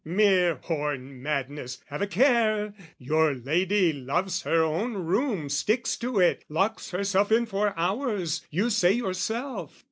Mere horn madness: have a care! "Your lady loves her own room, sticks to it, "Locks herself in for hours, you say yourself.